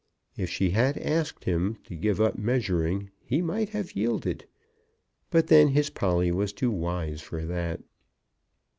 If she had asked him to give up measuring, he might have yielded. But then his Polly was too wise for that.